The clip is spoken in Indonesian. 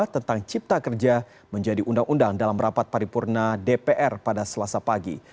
tentang cipta kerja menjadi undang undang dalam rapat paripurna dpr pada selasa pagi